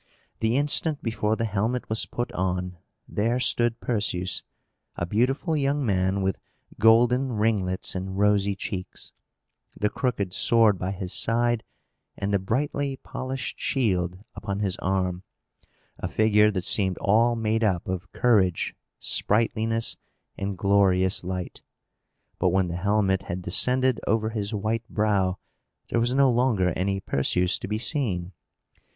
The instant before the helmet was put on, there stood Perseus, a beautiful young man, with golden ringlets and rosy cheeks, the crooked sword by his side, and the brightly polished shield upon his arm a figure that seemed all made up of courage, sprightliness, and glorious light. But when the helmet had descended over his white brow, there was no longer any Perseus to be seen!